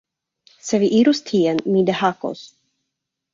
Se vi irus tien, mi dehakos